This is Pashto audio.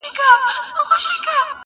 کورنۍ له دننه ماته سوې ده